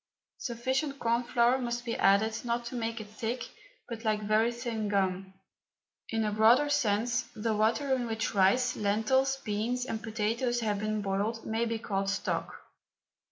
Sufficient corn flour must be added not to make it thick but like very thin gum. In a broader sense, the water in which rice, lentils, beans and potatoes have been boiled may be called stock.